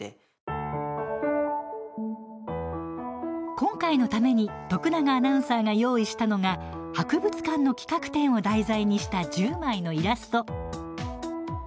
今回のために徳永アナウンサーが用意したのが博物館の企画展を題材にした１０枚のイラスト。